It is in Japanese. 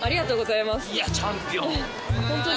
いやチャンピオン！